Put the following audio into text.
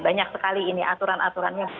banyak sekali ini aturan aturannya